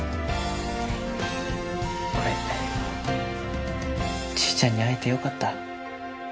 俺ちーちゃんに会えてよかった。